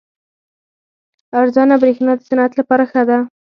ارزانه بریښنا د صنعت لپاره ښه ده.